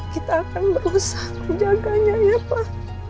kita akan berusaha menjaganya ya pak